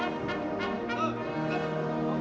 อัศวินธรรมชาติ